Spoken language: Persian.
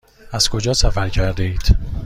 از کجا سفر کرده اید؟